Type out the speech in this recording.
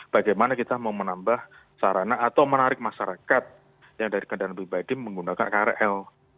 bagaimana kita mau menambah sarana atau menarik masyarakat yang dari kendaraan pribadi menggunakan krl